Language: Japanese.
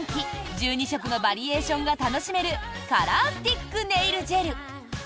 １２色のバリエーションが楽しめるカラースティックネイルジェル。